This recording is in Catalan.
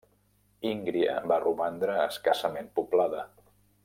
Íngria va romandre escassament poblada.